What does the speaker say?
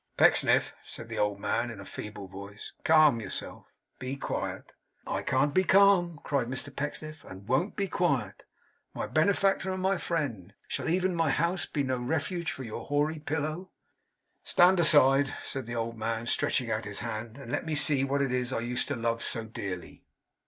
'Pecksniff,' said the old man, in a feeble voice. 'Calm yourself. Be quiet.' 'I can't be calm,' cried Mr Pecksniff, 'and I won't be quiet. My benefactor and my friend! Shall even my house be no refuge for your hoary pillow!' 'Stand aside!' said the old man, stretching out his hand; 'and let me see what it is I used to love so dearly.